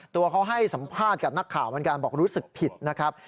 ตัวเขาให้สัมภาษณ์กับนักข่าวเหมือนกันบอกรู้สึกผิดนะครับ